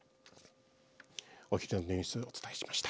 お昼のニュースをお伝えしました。